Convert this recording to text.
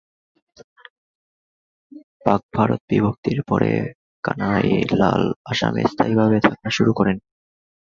পাক-ভারত বিভক্তির পরে কানাইলাল আসামে স্থায়ীভাবে থাকা শুরু করেন।